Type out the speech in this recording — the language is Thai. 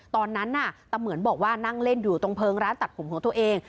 ตอนนั้นน่ะตะเหมือนบอกว่านั่งเล่นอยู่ตรงเพลิงร้านตัดผมของตัวเอง